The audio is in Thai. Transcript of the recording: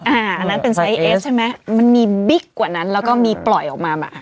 อันนั้นเป็นไซส์เอสใช่ไหมมันมีบิ๊กกว่านั้นแล้วก็มีปล่อยออกมาแบบ